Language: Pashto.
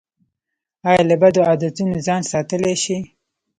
ایا له بدو عادتونو ځان ساتلی شئ؟